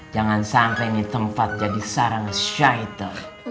jangan sampai ini tempat jadi sarang syahiter